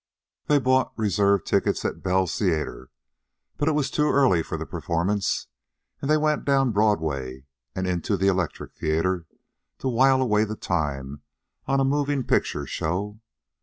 They bought reserved tickets at Bell's Theater; but it was too early for the performance, and they went down Broadway and into the Electric Theater to while away the time on a moving picture show.